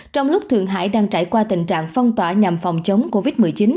trong lúc thượng hải đang trải qua tình trạng phong tỏa nhằm phòng chống covid một mươi chín